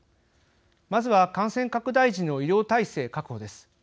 まずは感染拡大時の医療体制確保です。